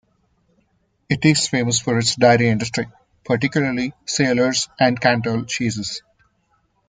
It is famous for its dairy industry, particularly Salers and Cantal cheeses.